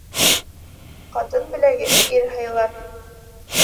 Ҡатын беләге ир һыйлар